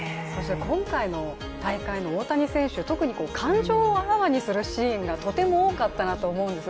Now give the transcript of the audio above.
今回の大会の大谷選手、特に感情をあらわにするシーンがとても多かったなと思うんです。